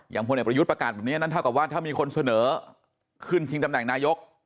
พลเอกประยุทธ์ประกาศแบบนี้นั้นเท่ากับว่าถ้ามีคนเสนอขึ้นชิงตำแหน่งนายก